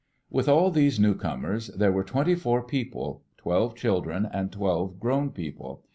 With all these newcomers, there were twenty four peo ple — twelve children and twelve grown people.